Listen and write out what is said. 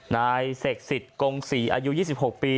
นายเสกสิทธิ์กงศรีอายุ๒๖ปี